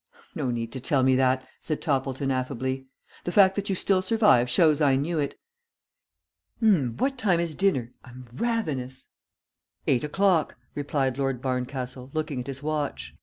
"No need to tell me that," said Toppleton, affably. "The fact that you still survive shows I knew it. What time is dinner? I'm ravenous." "Eight o'clock," replied Lord Barncastle, looking at his watch.